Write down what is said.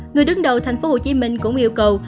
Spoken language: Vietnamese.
người đứng đầu tp hcm cũng yêu cầu